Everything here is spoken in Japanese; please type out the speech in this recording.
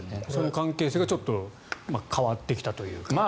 関係性がちょっと変わってきたというか。